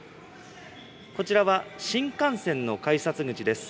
こちらは、新幹線の改札口です。